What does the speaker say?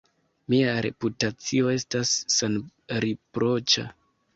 Mia reputacio estas senriproĉa!